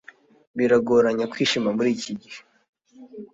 biragoranye kwishima muri iki gihe